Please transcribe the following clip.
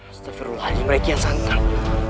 astagfirullahaladzim rakyat santang